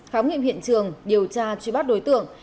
khám nghiệm hiện trường điều tra truy bắt đối tượng